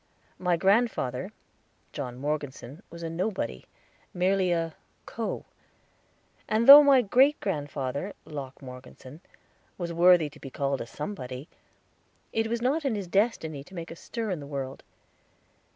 My grandfather, John Morgeson, was a nobody, merely a "Co."; and though my great grandfather, Locke Morgeson, was worthy to be called a Somebody, it was not his destiny to make a stir in the world.